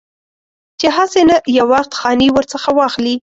چې هسې نه یو وخت خاني ورڅخه واخلي.